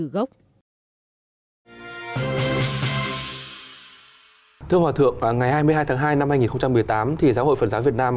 giáo hội phật giáo việt nam